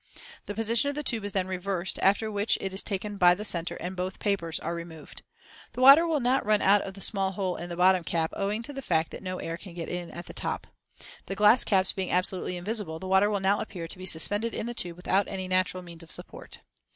The position of the tube is then reversed, after which it is taken by the center and both papers are removed. The water will not run out of the small hole in the bottom cap owing to the fact that no air can get in at the top. The glass caps being absolutely invisible, the water will now appear to be suspended in the tube without any natural means of support.